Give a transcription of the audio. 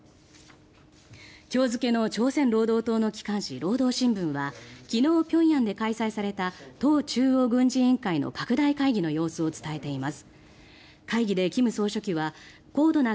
今日付の朝鮮労働党の機関紙労働新聞は昨日、平壌で開催された党中央軍事委員会の拡大会議の様子を伝えています。